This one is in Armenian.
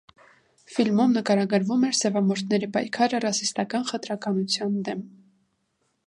Ֆիլմում նկարագրվում էր սևամորթների պայքարը ռասիստական խտրականության դեմ։